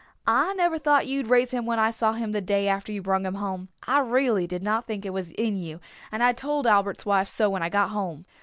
I never thought you'd raise him when I saw him the day after you brung him home. I reely did not think it was in you and I told Albert's wife so when I got home.